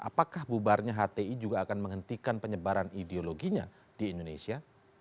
apakah bubarnya hti juga akan menghentikan penyebaran ideologinya di indonesia